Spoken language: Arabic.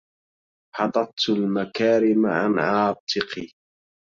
حططت المكارم عن عاتقي